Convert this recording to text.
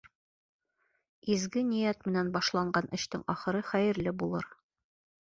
Изге ниәт менән башланған эштең ахыры хәйерле булыр.